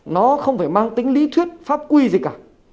nó không phải mang tính lý thuyết pháp quy gì cả